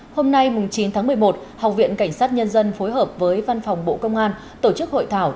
hôm nay chín tháng một mươi một học viện cảnh sát nhân dân phối hợp với văn phòng bộ công an tổ chức hội thảo